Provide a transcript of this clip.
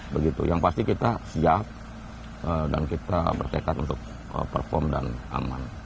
begitu yang pasti kita siap dan kita bertekad untuk perform dan aman